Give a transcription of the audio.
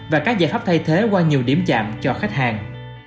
và các giải pháp thay thế qua nhiều điểm chạm cho khách hàng